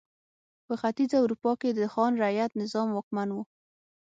په ختیځه اروپا کې د خان رعیت نظام واکمن و.